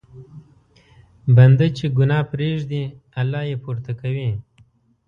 بنده چې ګناه پرېږدي، الله یې پورته کوي.